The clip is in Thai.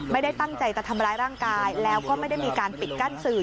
ไม่ได้ตั้งใจจะทำร้ายร่างกายแล้วก็ไม่ได้มีการปิดกั้นสื่อ